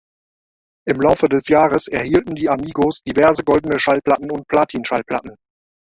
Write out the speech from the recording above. Im Laufe des Jahres erhielten die Amigos diverse Goldene Schallplatten und Platin-Schallplatten.